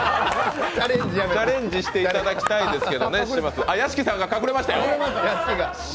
チャレンジしていただきたいんですけど屋敷さんが隠れましたよ。